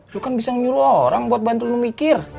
lu kan bisa nyuruh orang buat bantu lu mikir